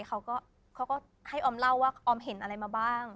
เขาก็ให้ออมเล่าว่าออมเห็นอะไรมาบ้าง